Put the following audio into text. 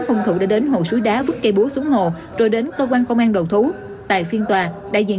hung thủ đã đến hồ suối đá vứt cây búa xuống hồ rồi đến cơ quan công an đầu thú tại phiên tòa đại diện